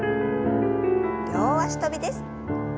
両脚跳びです。